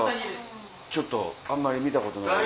ちょっとあんまり見たことない。